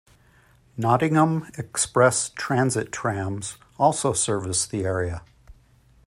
Nottingham Express Transit trams also service the area.